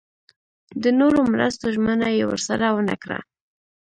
د نورو مرستو ژمنه یې ورسره ونه کړه.